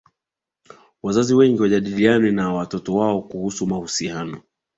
wazazi wengine wajadiliane na watoto wao kuhusu mahusiano